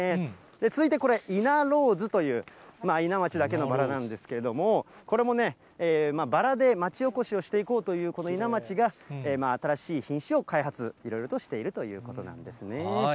続いてこれ、イナローズという、伊奈町だけのバラなんですけれども、これもね、バラで町おこしをしていこうという伊奈町が新しい品種を開発、いろいろと、しているということなんですね。